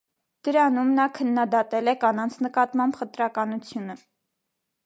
Դրանում նա քննադատել է կանանց նկատմամբ խտրականությունը։